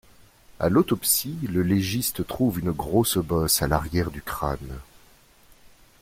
À l’autopsie, le légiste trouve une grosse bosse à l’arrière du crâne.